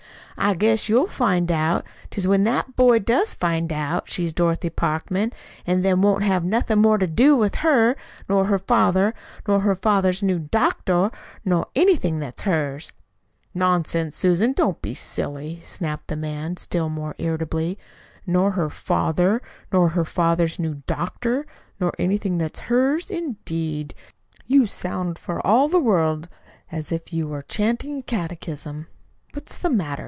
"I guess you'll find what 'tis when that boy does find out she's Dorothy Parkman, an' then won't have nothin' more to do with her, nor her father, nor her father's new doctor, nor anything that is hers." "Nonsense, Susan, don't be silly," snapped the man, still more irritably. "'Nor her father, nor her father's new doctor, nor anything that is hers,' indeed! You sound for all the world as if you were chanting a catechism! What's the matter?